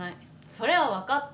それは分かった。